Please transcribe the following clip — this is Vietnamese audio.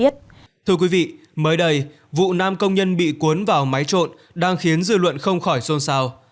thưa quý vị mới đây vụ nam công nhân bị cuốn vào máy trộn đang khiến dư luận không khỏi xôn xao